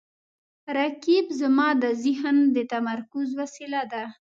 رقیب زما د ذهن د تمرکز وسیله ده